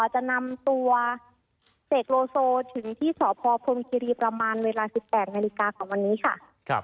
จะนำตัวเสกโลโซถึงที่สพพรมคิรีประมาณเวลา๑๘นาฬิกาของวันนี้ค่ะ